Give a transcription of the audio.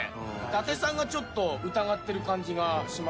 伊達さんがちょっと疑ってる感じがしますけども。